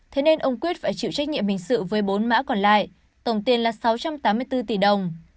thế nên ông quyết phải chịu trách nhiệm hình sự với bốn mã còn lại tổng tiền là sáu trăm tám mươi bốn tỷ đồng